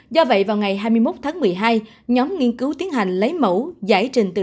do vậy vào ngày hai mươi một tháng một mươi hai nhóm nghiên cứu tiến hành lấy mẫu